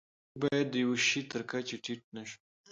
موږ باید د یوه شي تر کچې ټیټ نشو.